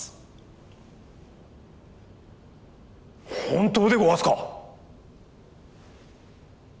本当でごわすか？